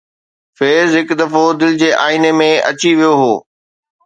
فيض هڪ دفعو دل جي آئيني ۾ اچي ويو هو